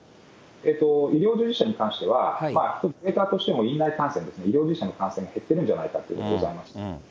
医療従事者に関しては、データとしても院内感染とか医療従事者の感染が減っているんじゃないかということがあります。